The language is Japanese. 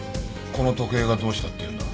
この時計がどうしたっていうんだ？